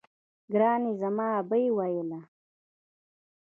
ګراني زما ابۍ ويله